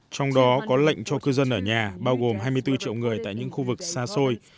trong đó có lệnh cho cư dân ở nhà bao gồm hai mươi bốn triệu người tại những khu vực xa xôi